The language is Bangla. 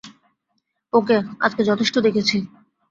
ওকে, আজকে যথেষ্ট দেখেছি।